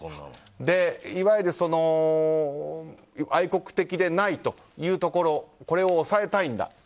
いわゆる愛国的でないというところこれを抑えたいんだ